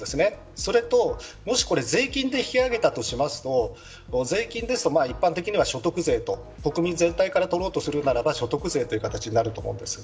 それとこれを税金で引き上げたとすると一般的には所得税と国民全体から取ろうとするならば所得税となると思うんです。